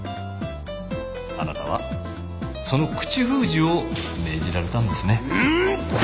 あなたはその口封じを命じられたんですね。